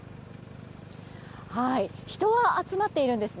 人は集まっているんです。